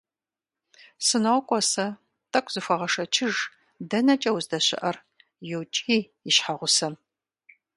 - СынокӀуэ сэ, тӀэкӀу зыхуэгъэшэчыж, дэнэкӀэ уздэщыӀэр? - йокӀий и щхьэгъусэм.